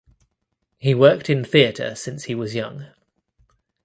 He worked in theatre since he was young.